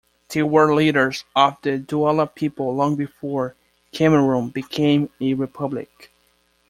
They were leaders of the Duala people long before Cameroon became a republic.